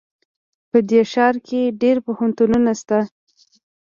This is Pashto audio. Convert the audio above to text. په دې ښار کې ډېر پوهنتونونه شته